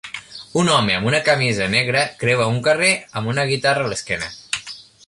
Un home amb una camisa negra creua un carrer amb una guitarra a l'esquena.